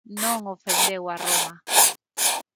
Non ofendeu a Roma.